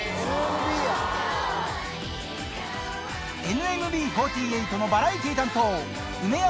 ＮＭＢ４８のバラエティー担当梅山